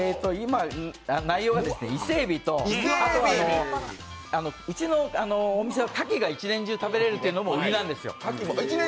内容は、伊勢えびとうちのお店はかきが一年中食べれるというのが売りなんですよ。